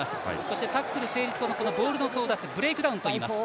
タックル成立後のボールの争奪ブレイクダウンといいます。